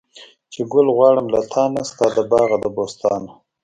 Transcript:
چې ګل غواړم له تانه، ستا د باغه د بوستانه